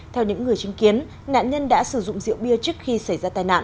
theo những người chứng kiến nạn nhân đã sử dụng rượu bia trước khi xảy ra tai nạn